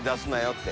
って。